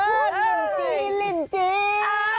ลินจีลินจี